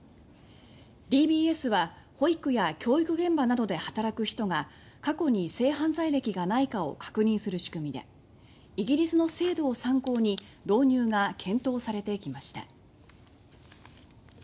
「ＤＢＳ」は保育や教育現場などで働く人が過去に性犯罪歴がないかを確認する仕組みでイギリスの制度を参考に導入が検討されてきました。